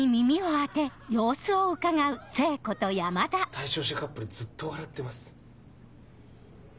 ・対象者カップルずっと笑ってます。